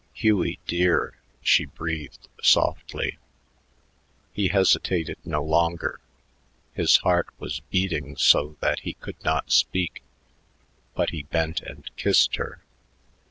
"Hughie dear," she breathed softly. He hesitated no longer. His heart was beating so that he could not speak, but he bent and kissed her.